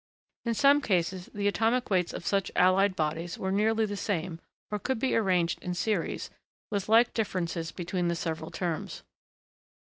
In some cases, the atomic weights of such allied bodies were nearly the same, or could be arranged in series, with like differences between the several terms.